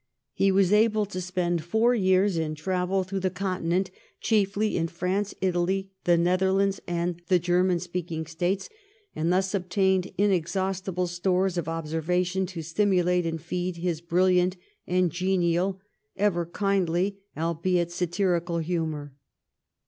He was able to spend four years in travel through the Continent, chiefly in France, Italy, the Netherlands, and the German speaking States, and thus obtained inexhaustible stores of observation to stimulate and feed his bril liant and genial, ever kindly, albeit satirical, humour.